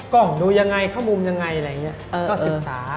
กล้องดูยังไงเข้ามุมยังไงอะไรอย่างนี้ก็ศึกษา